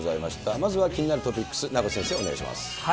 まずは気になるトピックス、名越先生、お願いします。